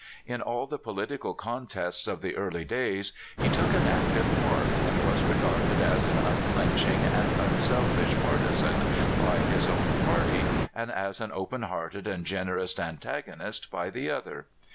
In all the polit ical contests of the early days he took an active part, and v/as regarded as an unflinching and un selfish partisan by his own party, and as an open hearted and generous antagonist by the other.